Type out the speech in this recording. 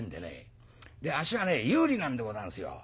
あっしはね有利なんでござんすよ。